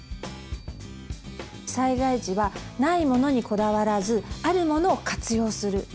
災害時はないものにこだわらずあるものを活用する。